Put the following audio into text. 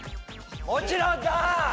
もちろんだ！